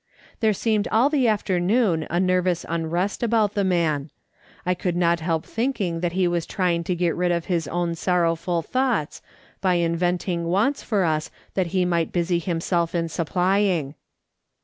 There seemed all the afternoon a nervous unrest about the man ; I could not help thinking that he was trying to get rid of his own sorrowful thoughts, by inventing wants for us that he might busy him self in supplying.